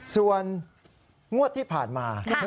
ส่วนงวดที่ผ่านมา